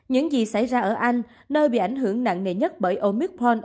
những gì xảy ra ở anh nơi bị ảnh hưởng nặng nề nhất bởi omicron